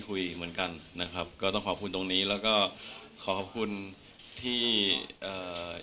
คุยกันนะครับก็ต้องขอบคุณตรงนี้แล้วก็ขอขอบคุณที่เอ่อ